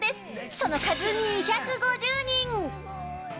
その数２５０人。